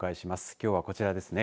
きょうはこちらですね。